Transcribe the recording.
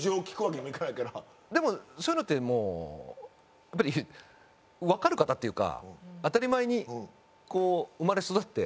でもそういうのってもうやっぱり分かる方っていうか当たり前にこう生まれ育って。